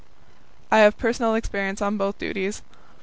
I have personal experience of both duties.